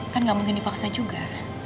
kan nggak mungkin dipaksa juga